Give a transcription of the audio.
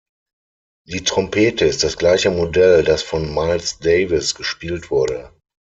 Die Trompete ist das gleiche Modell, das von Miles Davis gespielt wurde.